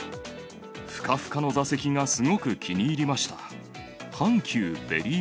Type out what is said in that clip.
ふかふかの座席がすごく気に入りました！